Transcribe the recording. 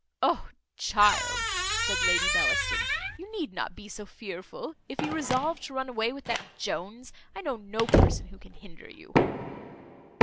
"O child!" said Lady Bellaston, "you need not be so fearful; if you resolve to run away with that Jones, I know no person who can hinder you."